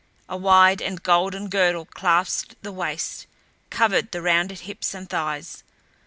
A wide and golden girdle clasped the waist, covered the rounded hips and thighs.